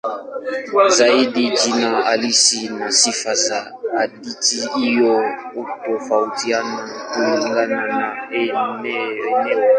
Zaidi jina halisi na sifa za hadithi hiyo hutofautiana kulingana na eneo.